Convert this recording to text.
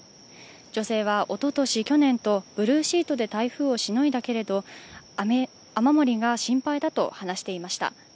女性は、おととし、去年とブルーシートで台風をしのいだけれども雨漏りが心配だと話していました。